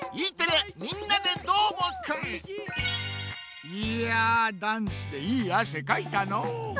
いやダンスでいいあせかいたのう。